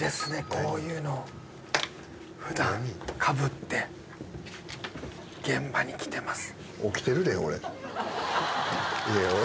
こういうの普段かぶって現場に来てます